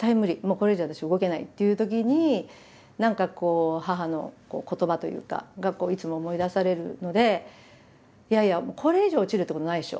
これ以上私動けない」っていうときに何かこう母の言葉というかがいつも思い出されるので「いやいやこれ以上落ちるってことないでしょ。